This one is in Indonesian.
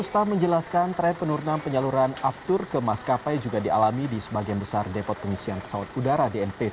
pt pertamina persero rustam aji menyatakan penurunan penyaluran aftur kemas kapai juga dialami di sebagian besar depot pengisian pesawat udara